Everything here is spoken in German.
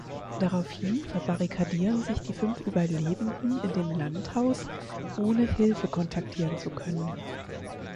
Daraufhin verbarrikadieren sich die fünf Überlebenden in dem Landhaus, ohne Hilfe kontaktieren zu können.